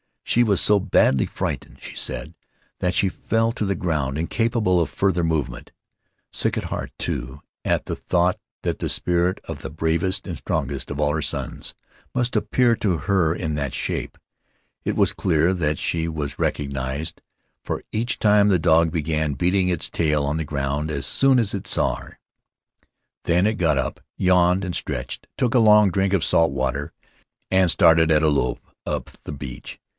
She was so badly frightened, she said, that she fell to the ground, incapable of further movement; sick at heart, too, at the thought that the spirit of the bravest and strongest of all her sons must appear to her in that shape. It was clear that she was recognized, for each time the dog began beating its tail on the ground as soon as it saw her. Then it got up, yawned and stretched, took a long drink of salt water, and started at a lope up the beach.